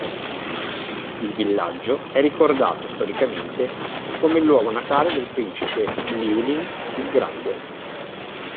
Il villaggio è ricordato storicamente come il luogo natale del principe Llywelyn il Grande.